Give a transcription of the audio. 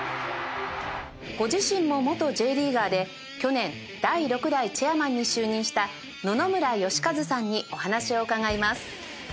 ご自身も元 Ｊ リーガーで去年第６代チェアマンに就任した野々村芳和さんにお話を伺います